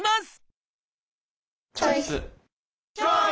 チョイス！